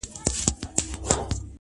بهرني ځواکونه راپورونه جوړوي ډېر ژر-